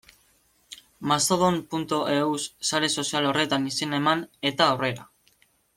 Mastodon.eus sare sozial horretan izena eman, eta aurrera.